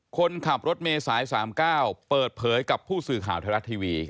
คนขับรถเมย์สาย๓๙เปิดเผยกับผู้สื่อข่าวไทยรัฐทีวี